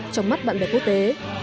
trong mắt bạn bè quốc tế